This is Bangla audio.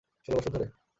ষোল বছর ধরে?